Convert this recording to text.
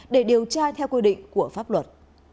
để điều tra theo quy định của pháp luật